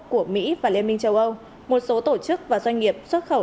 của mỹ và liên minh châu âu một số tổ chức và doanh nghiệp xuất khẩu